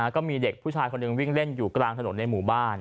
ก็มีเด็กผู้ชายคนหนึ่งวิ่งเล่นอยู่กลางถนนในหมู่บ้าน